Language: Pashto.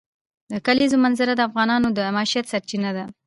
د کلیزو منظره د افغانانو د معیشت سرچینه ده.